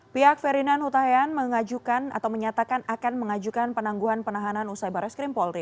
pihak ferdinand hutayan mengajukan atau menyatakan akan mengajukan penangguhan penahanan usai barai skrim polri